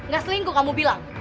gak selingkuh kamu bilang